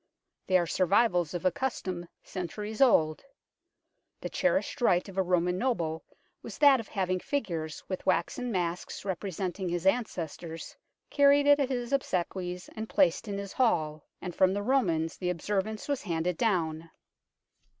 They are survivals of a custom centuries old. The cherished right of a Roman noble was that of having figures, with waxen masks representing his ancestors, carried at his obsequies and placed in his hall ; and from the Romans the observance was handed down.